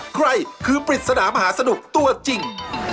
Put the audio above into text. ใครคือปริศนามหาสนุกตัวจริง